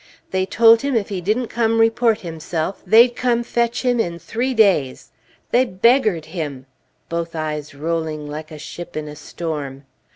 they told him if he didn't come report himself, they'd come fetch him in three days! They beggared him!" [Both eyes rolling like a ship in a storm.